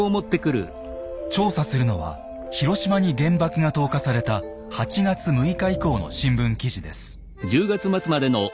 調査するのは広島に原爆が投下された８月６日以降の新聞記事です。